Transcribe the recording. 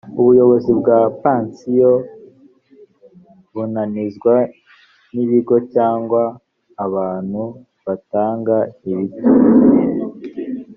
ubuyobozi bwa pansiyo nbunanizwa n’ibigo cyangwa abantu batanga ibituzuye